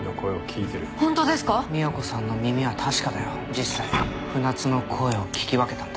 実際船津の声を聞き分けたんだ。